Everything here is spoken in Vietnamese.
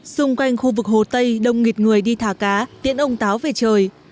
xung quanh khu vực hồ tây đông nghịt người đi thả cá tiễn ông táo về trời